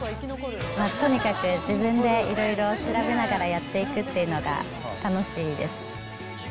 とにかく自分でいろいろ調べながらやっていくっていうのが楽しいです。